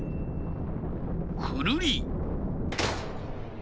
くるり。